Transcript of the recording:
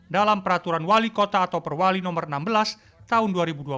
dalam peraturan wali kota atau perwali nomor enam belas tahun dua ribu dua puluh